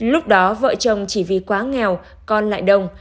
lúc đó vợ chồng chỉ vì quá nghèo con lại đồng